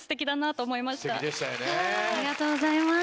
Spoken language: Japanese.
ありがとうございます。